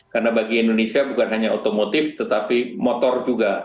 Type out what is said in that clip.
karena bagi indonesia bukan hanya otomotif tetapi motor juga